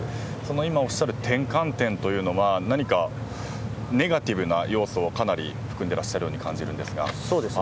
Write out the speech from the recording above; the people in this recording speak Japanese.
今、おっしゃる転換点というのは何かネガティブな要素をかなり含んでいらっしゃるように感じるんですが。